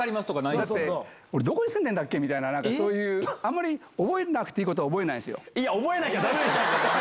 だって、俺、どこに住んでんだっけみたいな、なんかそういう、あんまり覚えなくていいことは覚いや、覚えなきゃだめでしょ。